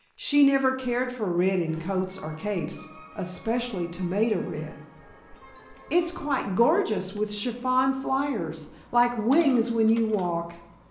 She never cared for red in coats or capes, especially tomato red. "It's quite gorgeous, with chiffon fliers, like wings when you walk.